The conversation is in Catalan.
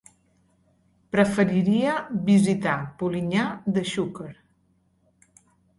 Preferiria visitar Polinyà de Xúquer.